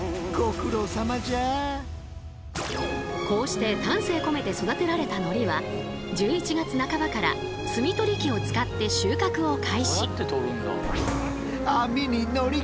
こうして丹精込めて育てられた海苔は１１月半ばから摘み取り機を使って収穫を開始。